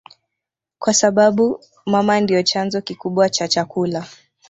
kwasababu mama ndio chanzo kikubwa cha chakula